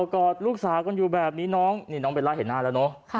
กอดลูกสาวกันอยู่แบบนี้น้องนี่น้องเบลล่าเห็นหน้าแล้วเนอะ